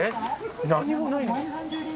何もない。